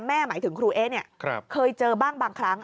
หมายถึงครูเอ๊เนี่ยเคยเจอบ้างบางครั้ง